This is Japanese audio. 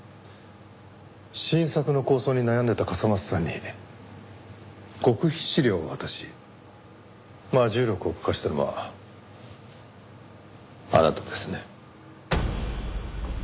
新作の構想に悩んでいた笠松さんに極秘資料を渡し『魔銃録』を書かせたのはあなたですね？